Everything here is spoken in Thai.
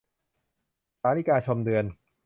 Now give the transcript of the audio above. สาลิกาชมเดือน